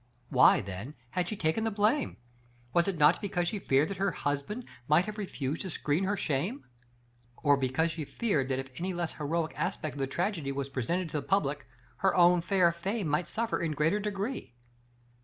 Why, then, had she taken the blame? Was it not because she feared that her husband might have refused to screen her shame; or because she feared that if any less heroic aspect of the tragedy was presented to the public, her own fair fame might suffer in greater degree